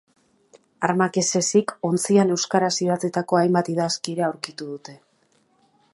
Armak ez ezik, ontzian euskaraz idatzitako hainbat idazki ere aurkitu dute.